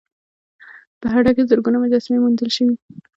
په هډه کې زرګونه مجسمې موندل شوي